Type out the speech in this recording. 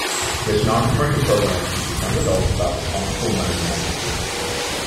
This non-commercial program teaches young adults about responsible money management.